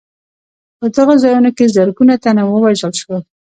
په دغو ځایونو کې زرګونه تنه ووژل شول.